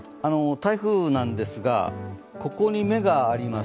台風なんですが、ここに目があります。